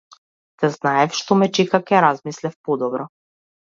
Да знаев што ме чека ќе размислев подобро.